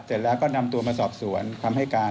เสร็จแล้วก็นำตัวมาสอบสวนคำให้การ